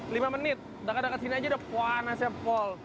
lima menit dekat dekat sini aja udah panasnya pol